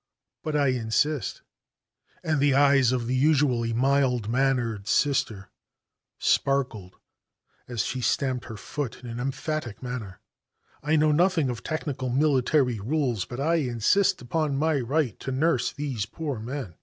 "But I insist," and the eyes of the usually mild mannered Sister sparkled as she stamped her foot in an emphatic manner. "I know nothing of technical military rules, but I insist upon my right to nurse these poor men."